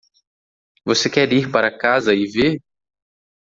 Você quer ir para casa e ver?